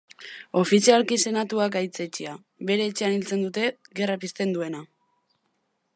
Ofizialki senatuak gaitzetsia, bere etxean hiltzen dute, gerra pizten duena.